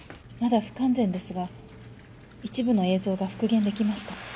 まだ不完全ですが一部の映像が復元できました。